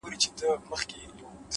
علم د انسان اعتماد زیاتوي